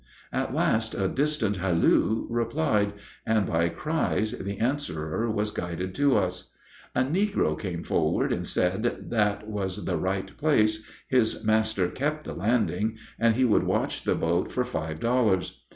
At last a distant halloo replied, and by cries the answerer was guided to us. A negro came forward and said that was the right place, his master kept the landing, and he would watch the boat for five dollars.